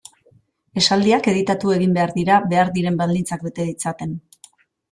Esaldiak editatu egin behar dira behar diren baldintzak bete ditzaten.